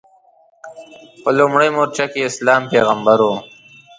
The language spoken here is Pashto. په لومړۍ مورچله کې اسلام پیغمبر و.